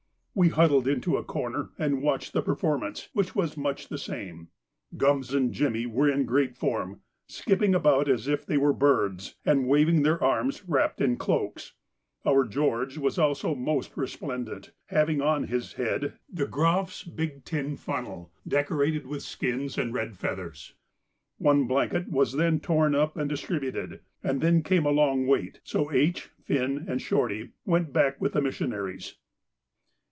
We huddled into a corner, and watched the performance, which was much the same. Gums and Jimmy were in great form, skipping about as if they were birds, and waving their arms wrapped in cloaks. Our George was also most resplendent, having on his head De Groff's big tin funnel decorated with skins and red feathers. One blanket was then torn up and distributed, and then came a long wait, so H., Finn, and Shorty went back with the missionaries.